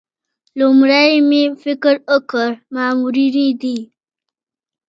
لومړی مې فکر وکړ مامورینې دي.